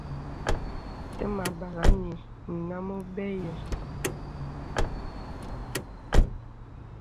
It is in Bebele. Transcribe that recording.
Təmà àbālaŋ ngə nám óbə̂ ï.